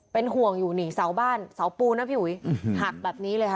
ไปห่วงอยู่นะสาวบ้านสาวปูนะผิวอุยหักแบบนี้เลยค่ะ